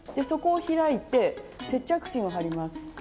そこを開いて接着芯を貼ります。